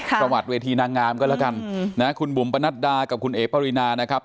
ประวัติเวทีนางงามก็แล้วกันนะคุณบุ๋มปนัดดากับคุณเอ๋ปรินานะครับ